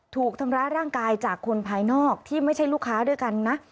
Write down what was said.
ถูกทำร้ายร่างกายจากคนภายนอกที่ไม่ใช่ลูกค้าด้วยกันนะ